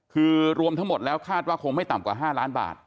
คือรวมทั้งหมดแล้วคาดว่าคงไม่ต่ำกว่า๕ล้านบาท